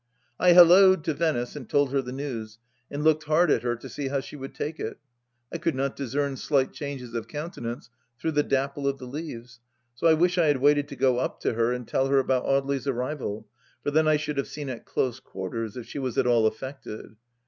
I halloed to Venice and told her the news, and looked hard at her to see how she would take it ? I could not discern slight changes of countenance through the dapple of the leaves, so I wish I had waited to go up to her and tell her about Audely's arrival, for then I should have seen at close quarters if she was at aU affected.